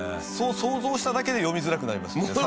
そう想像しただけで読みづらくなりますよね。